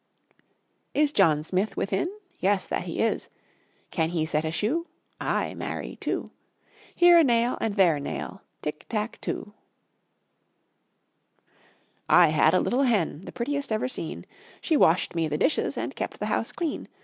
Is John Smith within? Yes, that he is. Can he set a shoe? Ay, marry, two. Here a nail and there a nail, Tick tack too. I had a little hen, the prettiest ever seen, She washed me the dishes and kept the house clean.